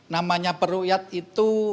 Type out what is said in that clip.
namanya perukyat itu